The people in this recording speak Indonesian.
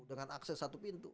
dengan akses satu pintu